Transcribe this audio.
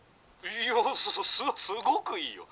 「いやすごくいいよ！